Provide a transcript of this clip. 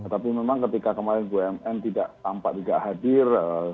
tapi memang ketika kemarin bumn tidak tampak tidak hadir